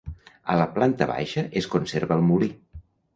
A la planta baixa es conserva el molí.